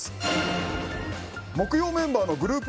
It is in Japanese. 木曜メンバーのグループ